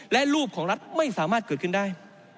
และรูปของรัฐไม่สามารถเกิดขึ้นได้